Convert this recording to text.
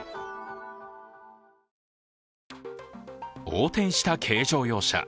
横転した軽乗用車。